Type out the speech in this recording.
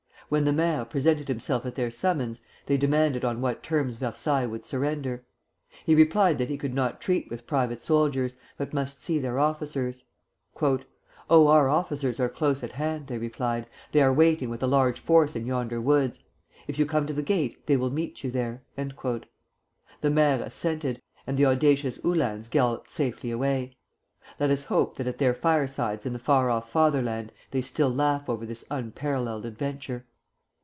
When the maire presented himself at their summons, they demanded on what terms Versailles would surrender? He replied that he could not treat with private soldiers, but must see their officers. "Oh, our officers are close at hand," they replied; "they are waiting with a large force in yonder woods. If you come to the gate, they will meet you there." The maire assented, and the audacious Uhlans galloped safely away. Let us hope that at their firesides in the far off Fatherland they still laugh over this unparalleled adventure.